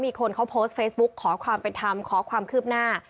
มีคนเขาโพสต์เฟซบุ๊กขอความเป็นธรรมขอความคืบหน้า